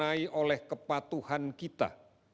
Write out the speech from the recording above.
diwarnai oleh kepatuhan kita